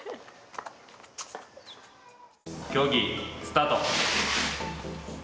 競技スタート。